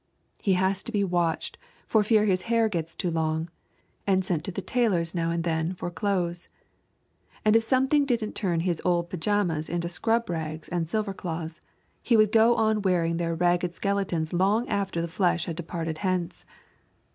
He has to be watched for fear his hair gets too long, and sent to the tailor's now and then for clothes. And if someone didn't turn his old pajamas into scrub rags and silver cloths, he would go on wearing their ragged skeletons long after the flesh had departed hence.